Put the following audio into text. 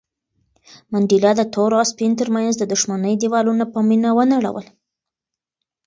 منډېلا د تور او سپین تر منځ د دښمنۍ دېوالونه په مینه ونړول.